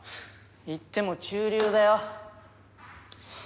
いっても中流だよ